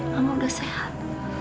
mama sudah sehat